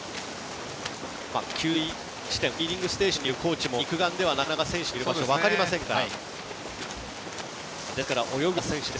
給水地点フィーディングステーションにいるコーチも肉眼ではなかなか選手のいる場所分かりませんから。